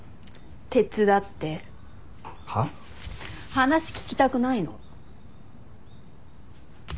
話聞きたくないの？